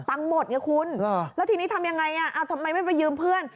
หมดไงคุณแล้วทีนี้ทำยังไงทำไมไม่ไปยืมเพื่อน